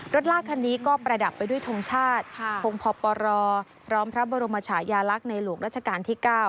ลากคันนี้ก็ประดับไปด้วยทงชาติพงพปรพร้อมพระบรมชายาลักษณ์ในหลวงราชการที่๙